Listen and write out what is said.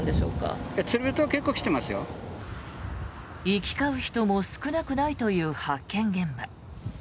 行き交う人も少なくないという発見現場。